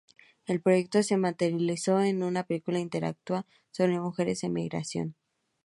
El proyecto se materializó en una película interactiva sobre mujeres y emigración.